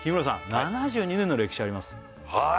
７２年の歴史ありますへえー！